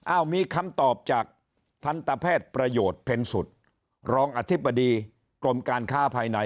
มีคำตอบจากทันตแพทย์ประโยชน์เพ็ญสุดรองอธิบดีกรมการค้าภายใน